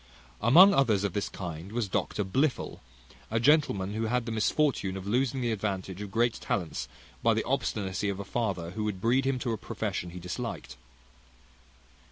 Among others of this kind was Dr Blifil, a gentleman who had the misfortune of losing the advantage of great talents by the obstinacy of a father, who would breed him to a profession he disliked.